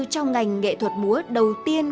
trong ngành nghệ thuật múa đầu tiên